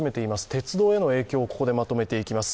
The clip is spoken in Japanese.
鉄道への影響、ここでまとめていきます。